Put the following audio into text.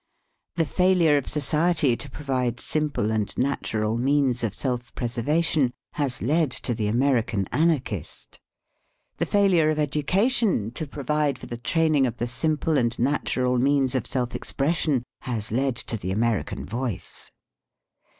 The failure of society to provide simple and natural means of self preservation has led to the American anarchist. The failure of education to provide for the training of the simple and natural means of self expres sion has led to the American voice.